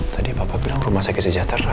tadi papa bilang rumah sakit sejahtera ya